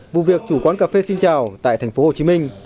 vụ việc chủ quán cà phê xin chào tại thành phố hồ chí minh